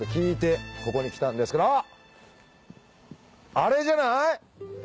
あれじゃない？